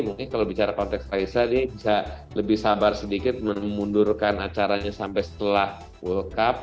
mungkin kalau bicara konteks raisa dia bisa lebih sabar sedikit memundurkan acaranya sampai setelah world cup